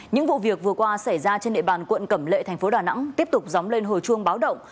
những vụ việc vừa qua xảy ra trên địa bàn quận cẩm lệ thành phố đà nẵng tiếp tục dóng lên hồi chuông báo động